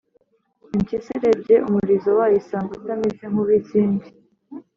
impyisi irebye umurizo wayo isanga utameze nk’uw’izindi.